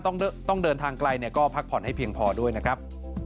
ต้องเดินทางไกลก็พักผ่อนให้เพียงพอด้วยนะครับ